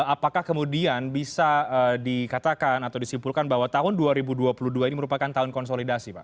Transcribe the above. apakah kemudian bisa dikatakan atau disimpulkan bahwa tahun dua ribu dua puluh dua ini merupakan tahun konsolidasi pak